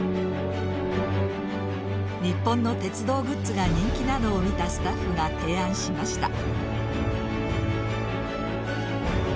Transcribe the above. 日本の鉄道グッズが人気なのを見たスタッフが提案しました。